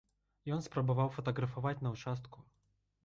Ён спрабаваў фатаграфаваць на ўчастку.